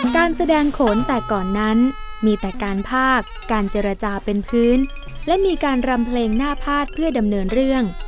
การแสดงขนแต่ก่อนนั้นมีแต่การพากการเจรจาเป็นพื้นและมีการรำเพลงหน้าพาดเพื่อดำเนินเรื่อง